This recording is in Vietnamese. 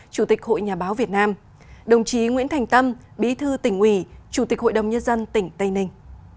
chủ tịch hội nhà báo việt nam đồng chí nguyễn thành tâm bí thư tỉnh ủy chủ tịch hội đồng nhân dân tỉnh tây ninh